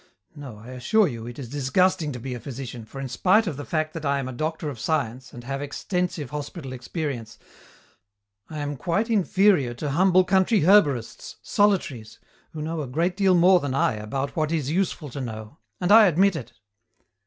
No, I assure you, it is disgusting to be a physician, for in spite of the fact that I am a doctor of science and have extensive hospital experience I am quite inferior to humble country herborists, solitaries, who know a great deal more than I about what is useful to know and I admit it."